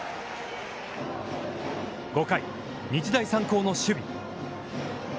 ５回、日大三高の守備。